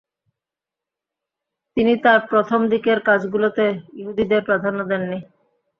তিনি তার প্রথম দিকের কাজগুলোতে ইহুদিদের প্রাধান্য দেননি।